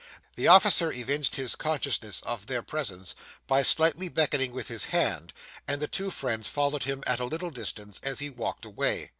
The officer evinced his consciousness of their presence by slightly beckoning with his hand; and the two friends followed him at a little distance, as he walked away.